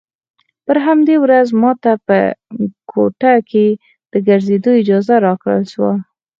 پر همدې ورځ ما ته په کوټه کښې د ګرځېدو اجازه راکړل سوه.